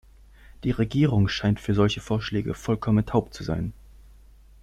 Die Regierung scheint für solche Vorschläge vollkommen taub zu sein.